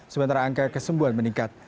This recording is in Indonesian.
sementara angka kesembuhan meningkat